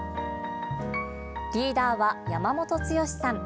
リーダーは山本剛さん。